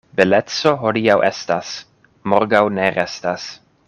Beleco hodiaŭ estas, morgaŭ ne restas.